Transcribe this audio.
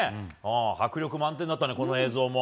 迫力満点だったね、この映像も。